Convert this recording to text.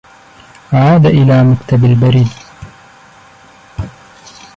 عاد إلى مكتب البريد.